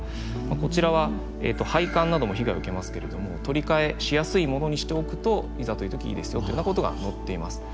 こちらは配管なども被害を受けますけれども取り替えしやすいものにしておくといざという時いいですよというようなことが載っています。